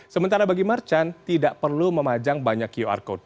sementara bagi mercan tidak perlu memajang banyak qr code